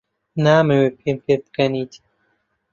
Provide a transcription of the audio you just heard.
نامەوێت پێم پێبکەنیت.